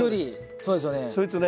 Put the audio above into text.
そうですよね。